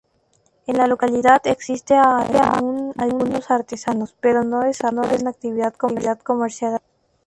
En la localidad existe aún algunos artesanos, pero no desarrollan actividad comercial alguna.